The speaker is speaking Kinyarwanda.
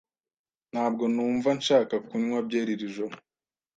Ntabwo numva nshaka kunywa byeri iri joro.